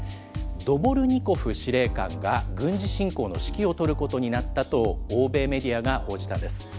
ドボルニコフ司令官が、軍事侵攻の指揮を執ることになったと欧米メディアが報じたんです。